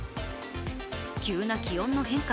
急な気温の変化。